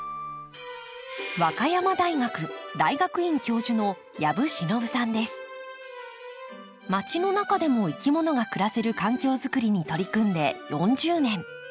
和歌山大学大学院教授のまちの中でもいきものが暮らせる環境作りに取り組んで４０年。